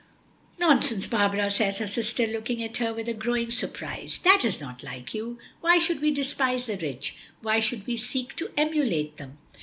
"Nonsense, Barbara!" says her sister, looking at her with a growing surprise. "That is not like you. Why should we despise the rich, why should we seek to emulate them?